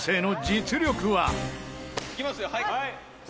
「いきますよはい」